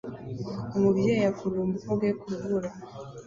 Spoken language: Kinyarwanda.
Umubyeyi akurura umukobwa we ku rubura